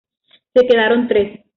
Se quedaron tres.